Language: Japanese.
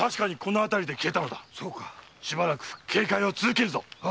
しばらく警戒を続けるぞ。